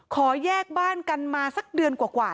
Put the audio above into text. ขอแยกบ้านกันมาสักเดือนกว่า